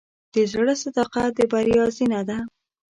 د زړۀ صداقت د بریا زینه ده.